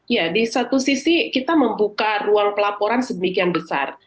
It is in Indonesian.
ya di satu sisi kita membuka ruang pelaporan sedemikian besar